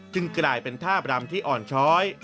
จึงกลายเป็นท่าบรรมที่อ่อนช้อย